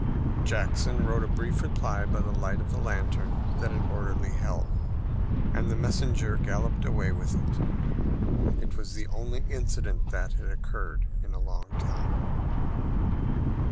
Jackson wrote a brief reply by the light of a lantern that an orderly held, and the messenger galloped away with it. It was the only incident that had occurred in a long time.